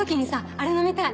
あれ飲みたい！